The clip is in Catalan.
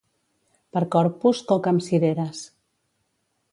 Per Corpus, coca amb cireres.